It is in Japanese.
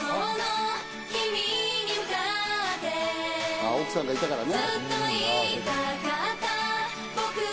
あぁ、奥さんがいたからね。